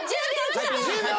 １０秒！